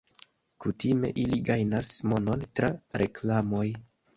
Kutime ili gajnas monon tra reklamoj.